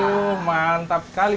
waduh mantap kali